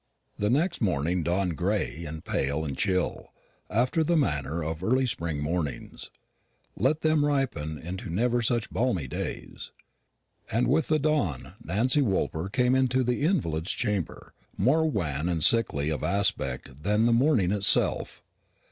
The next morning dawned gray and pale and chill, after the manner of early spring mornings, let them ripen into never such balmy days; and with the dawn Nancy Woolper came into the invalid's chamber, more wan and sickly of aspect than the morning itself.